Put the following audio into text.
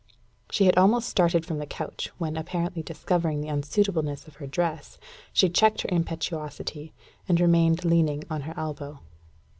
She had almost started from the couch, when, apparently discovering the unsuitableness of her dress, she checked her impetuosity, and remained leaning on her elbow.